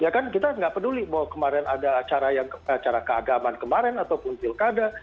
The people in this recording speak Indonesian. ya kan kita nggak peduli bahwa kemarin ada acara keagaman kemarin ataupun pilkada